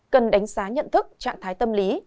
cần đánh giá nhận thức trạng thái tâm lý